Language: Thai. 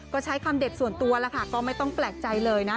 ก็ใช้คำเด็ดส่วนตัวแล้วค่ะก็ไม่ต้องแปลกใจเลยนะ